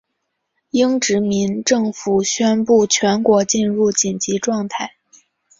英殖民政府宣布全国进入紧急状态。